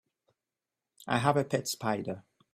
I have a pet spider.